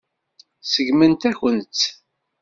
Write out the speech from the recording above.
Seggment-akent-tt.